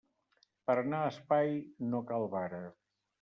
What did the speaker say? Per a anar a espai, no cal vara.